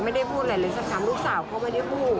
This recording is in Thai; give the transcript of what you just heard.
ไม่ได้พูดอะไรเลยสักคำลูกสาวเขาไม่ได้พูด